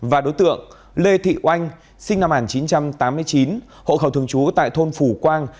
và đối tượng lê thị oanh sinh năm một nghìn chín trăm tám mươi chín hộ khẩu thường trú tại thôn phủ quang